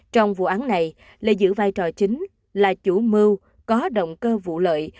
trong vụ án này lê giữ vai trò chính là chủ mưu có động cơ vụ lợi